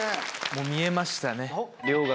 もう見えましたね。